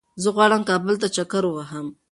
زه غواړم کابل ته چکر ووهم